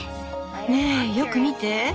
ねえよく見て！